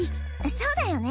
そうだよね。